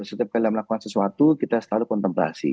setiap kali melakukan sesuatu kita selalu kontemplasi